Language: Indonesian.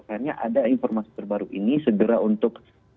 akhirnya ada informasi terbaru ini segera untuk